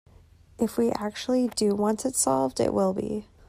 If we actually do want it solved, it will be.